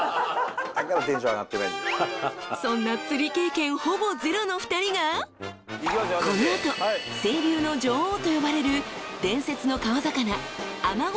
［そんな釣り経験ほぼゼロの２人がこの後清流の女王と呼ばれる伝説の川魚あまご